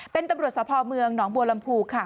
เป็นตำรวจสภเมืองหนองบัวลำพูค่ะ